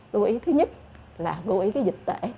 lưu ý thứ nhất là cố ý cái dịch tễ